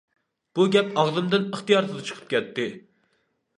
بۇ گەپ ئاغزىمدىن ئىختىيارسىز چىقىپ كەتتى.